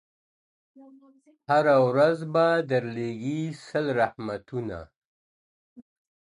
هره ورځ به درلېږي سل رحمتونه.